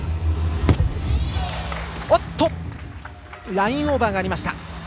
ラインオーバーがありました。